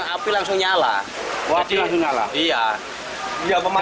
api dari mana pak